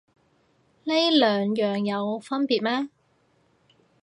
呢兩樣有分別咩